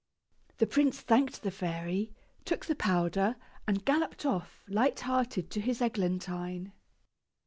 The prince thanked the fairy, took the powder, and galloped off, light hearted, to his Eglantine.